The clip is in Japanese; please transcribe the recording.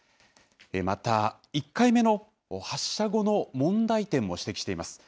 また１回目の発射後の問題点も指摘しています。